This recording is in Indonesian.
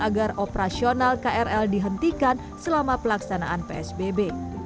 agar operasional krl dihentikan selama pelaksanaan psbb